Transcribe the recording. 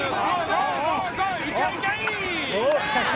いけいけ。